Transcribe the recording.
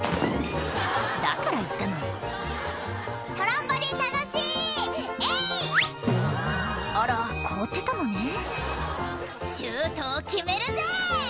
だから言ったのに「トランポリン楽しいえい！」あら凍ってたのね「シュートを決めるぜ！」